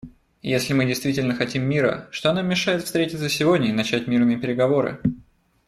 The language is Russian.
Если мы действительно хотим мира, что нам мешает встретиться сегодня и начать мирные переговоры?